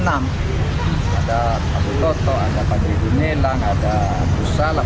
ada abu toto ada panji gemilang ada abdus salam